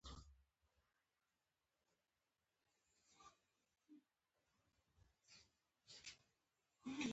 نسل په نسل غوښین او ارام شول.